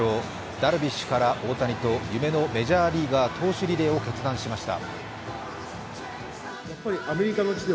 ダルビッシュから大谷と夢のメジャーリーガー投手リレーを決断しました。